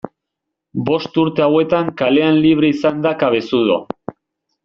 Bost urte hauetan kalean libre izan da Cabezudo.